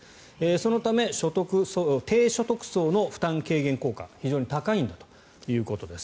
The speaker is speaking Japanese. そのため低所得層の負担軽減効果非常に高いんだということです。